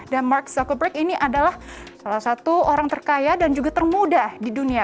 dan mark zuckerberg ini adalah salah satu orang terkaya dan juga termuda di dunia